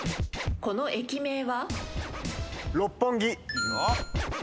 この駅名は？